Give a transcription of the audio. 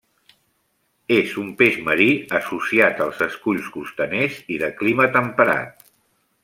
És un peix marí, associat als esculls costaners i de clima temperat.